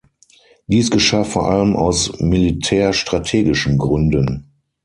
Dies geschah vor allem aus militärstrategischen Gründen.